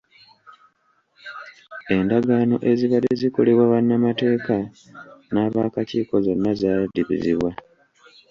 Endagaano ezibadde zikolebwa bannamateeka n'abaakakiiko zonna zaadibiziddwa.